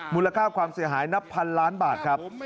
มูลค่าความเสียหายนับพันล้านบาทครับ